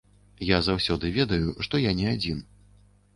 Я заўсёды ведаю, што я не адзін.